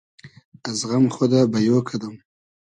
از غئم خودۂ بئیۉ کئدوم